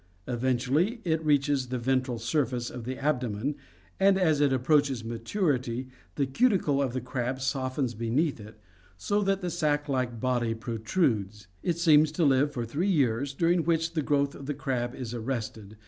Eventually it reaches the ventral surface of the abdomen, and, as it approaches maturity, the cuticle of the crab softens beneath it, so that the sac like body protrudes. It seems to live for three years, during which the growth of the crab is arrested.